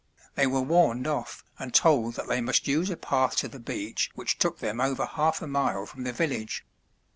They were warned off and told that they must use a path to the beach which took them over half a mile from the village.